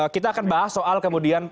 kita akan bahas soal kemudian